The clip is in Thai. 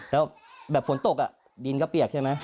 แล้วแบบฝนตกดินก็เปียกใช่ไหม